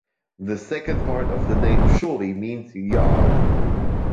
The second part of the name surely means "yard".